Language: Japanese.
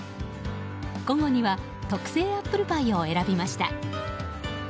午後には特製アップルパイを選びました。